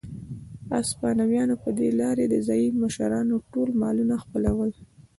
هسپانویانو په دې لارې د ځايي مشرانو ټول مالونه خپلول.